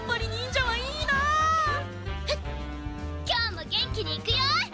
今日も元気にいくよ！